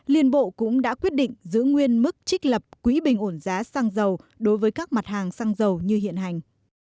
liên bộ cũng đã quyết định giữ nguyên mức trích lập quỹ bình ổn giá xăng dầu đối với các mặt hàng xăng dầu như hiện hành